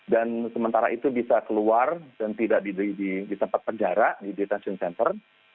dan sementara itu bisa keluar dan tidak di tempat penjara di detention center